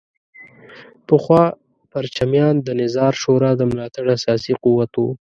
پخوا پرچمیان د نظار شورا د ملاتړ اساسي قوت وو.